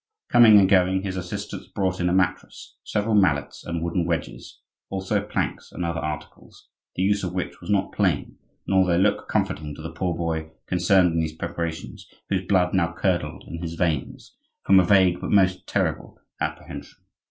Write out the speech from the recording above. Coming and going, his assistants brought in a mattress, several mallets and wooden wedges, also planks and other articles, the use of which was not plain, nor their look comforting to the poor boy concerned in these preparations, whose blood now curdled in his veins from a vague but most terrible apprehension.